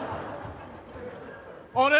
あれ？